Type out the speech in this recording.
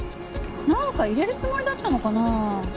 なんか入れるつもりだったのかな？